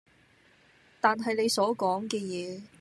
但係你所講嘅嘢